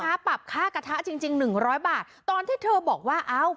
ปรับค่ากระทะจริงจริงหนึ่งร้อยบาทตอนที่เธอบอกว่าเอ้า